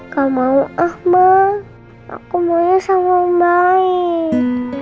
kamau ma aku maunya sama baik